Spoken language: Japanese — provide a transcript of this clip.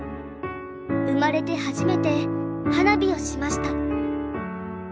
生まれて初めて花火をしました。